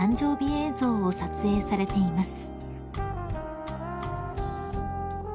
映像を撮影されています］